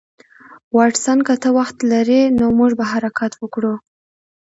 واټسن که ته وخت لرې نو موږ به حرکت وکړو